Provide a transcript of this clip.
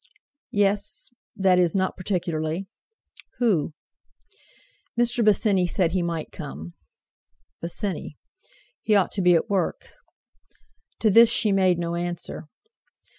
"Yes—that is, not particularly." "Who?" "Mr. Bosinney said he might come." "Bosinney. He ought to be at work." To this she made no answer.